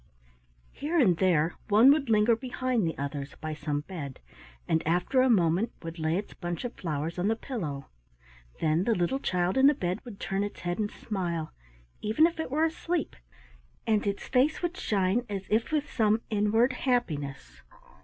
Here and there one would linger behind the others, by some bed, and after a moment would lay its bunch of flowers on the pillow. Then the little child in the bed would turn its head and smile, even if it were asleep, and its face would shine as if with some inward happiness.